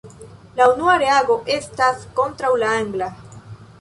La unua reago estas kontraŭ la angla.